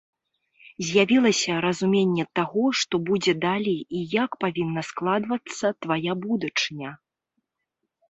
З'явілася разуменне таго, што будзе далей і як павінна складвацца твая будучыня?